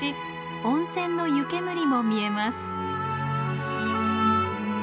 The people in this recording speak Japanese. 温泉の湯煙も見えます。